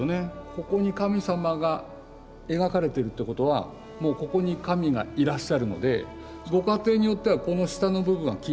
ここに神様が描かれてるってことはもうここに神がいらっしゃるのでご家庭によってはこの下の部分は切っちゃって。